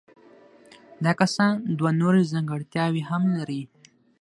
دا کسان دوه نورې ځانګړتیاوې هم لري.